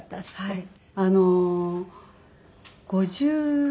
はい。